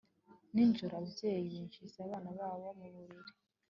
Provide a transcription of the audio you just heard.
Nijoro ababyeyi binjiza abana babo mu buriri